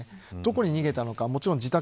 どこに逃げたのか。